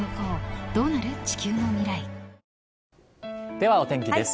では、お天気です。